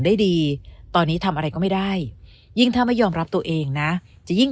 ได้ดีตอนนี้ทำอะไรก็ไม่ได้ยิ่งถ้าไม่ยอมรับตัวเองนะจะยิ่ง